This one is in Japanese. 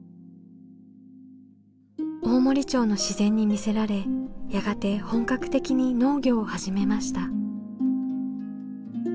大森町の自然に魅せられやがて本格的に農業を始めました。